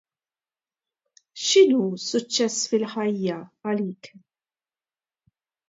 X'inhu suċċess fil-ħajja għalik?